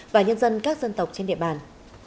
và nhân dân các dân tộc trên địa bàn